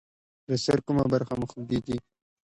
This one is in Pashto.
د سر کومه برخه مو خوږیږي؟